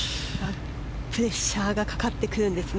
プレッシャーがかかってくるんですね